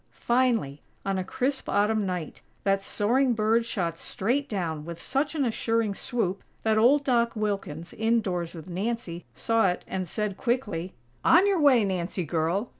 Finally, on a crisp Autumn night, that soaring bird shot straight down with such an assuring swoop, that old Doc Wilkins, indoors with Nancy, saw it and said, quickly: "On your way, Nancy girl!!"